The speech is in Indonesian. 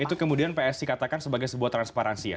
itu kemudian psi katakan sebagai sebuah transparansi ya